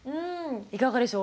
いかがでしょう？